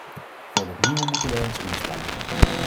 Voor dat nieuwe moeten wij ons inspannen.